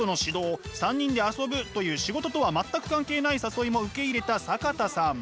３人で遊ぶという仕事とは全く関係ない誘いも受け入れた坂田さん。